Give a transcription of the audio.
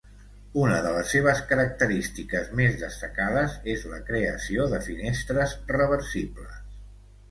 Una de les seves característiques més destacades és la creació de finestres reversibles.